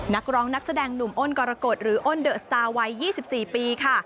นักร้องนักแสดงหนุ่มอ้นกรกฎหรืออ้นเดอะสตาร์วัย๒๔ปีค่ะ